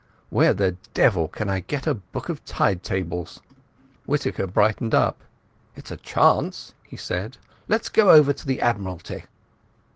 Where the devil can I get a book of Tide Tables?" Whittaker brightened up. "It's a chance," he said. "Let's go over to the Admiralty."